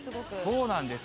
そうなんです。